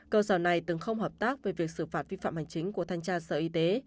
cơ sở này từng không hợp tác về việc xử phạt vi phạm hành chính của thanh tra sở y tế